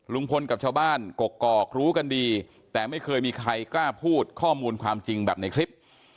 ลุงพลกับชาวบ้านกกอกรู้กันดีแต่ไม่เคยมีใครกล้าพูดข้อมูลความจริงแบบในคลิป